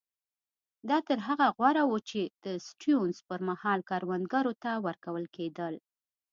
دا تر هغه غوره وو چې د سټیونز پر مهال کروندګرو ته ورکول کېدل.